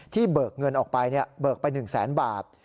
เบิกเงินออกไปเบิกไป๑แสนบาท